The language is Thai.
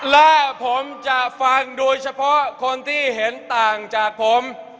และผมจะฟังโดยเฉพาะคนที่เห็นต่างจากผม